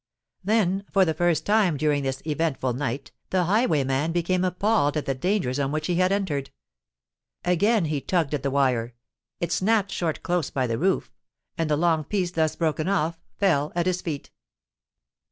Then, for the first time during this eventful night, the highwayman became appalled at the dangers on which he had entered. Again he tugged at the wire; it snapped short close by the roof, and the long piece thus broken off, fell at his feet.